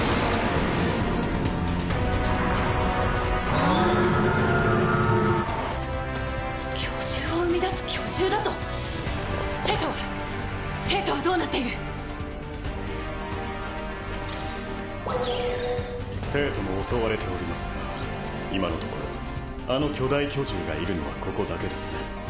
アアーー巨獣を生み出す巨獣だと⁉帝都は⁉帝都はどうなっている⁉帝都も襲われておりますが今のところあの巨大巨獣がいるのはここだけですね。